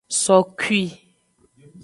Sokui.